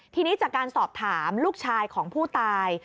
ทีนี้จากการสอบถามลูกชายของผู้ตาย